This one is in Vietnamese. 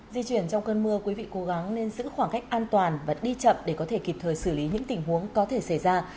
di chuyển trong cơn mưa quý vị cố gắng nên giữ khoảng cách an toàn và đi chậm để có thể kịp thời xử lý những tình huống có thể xảy ra